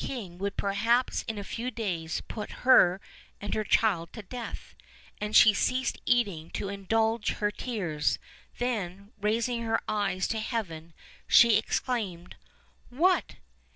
king would perhaps in a few days put her and o death, and she ceased eating to indulge her the wicked her child to tears; then, raising her eyes to heaven, she exclaimed: "What!